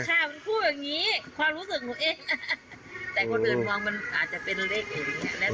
ค่ะมันพูดอย่างนี้ความรู้สึกหนูเองแต่คนอื่นมองมันอาจจะเป็นเล็กอย่างนี้